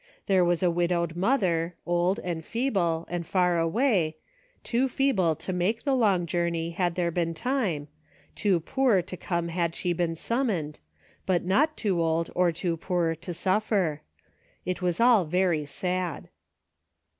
There was a wid owed mother, old, and feeble, and far away, too feeble to make the long journey, had there been time, too poor to come had she been summoned, but not too old or too poor to suffer. It was all very sad.